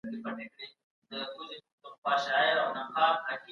پښتو ژبه زموږ د هویت او پېژندګلوي نښه ده